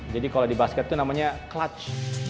jadi kalau di basket itu namanya clutch